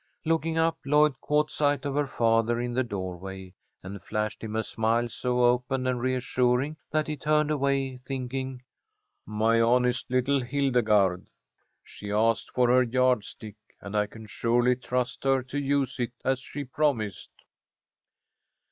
Looking up, Lloyd caught sight of her father in the doorway, and flashed him a smile so open and reassuring that he turned away, thinking, "My honest little Hildegarde! She asked for her yardstick, and I can surely trust her to use it as she promised."